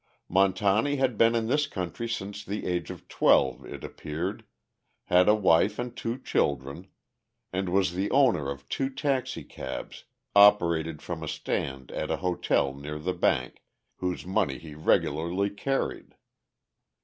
Montani had been in this country since the age of twelve, it appeared, had a wife and two children, and was the owner of two taxicabs operated from a stand at a hotel near the bank, whose money he regularly carried.